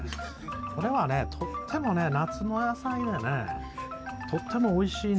これはねとってもね夏の野菜でねとってもおいしいんですよ。